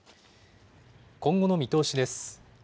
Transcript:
今後の見通しです。